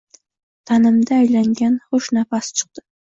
Tanimda aylangan xush nafas chiqdi